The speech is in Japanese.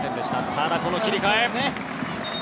ただ、この切り替え。